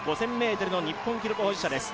５０００ｍの日本記録保持者です。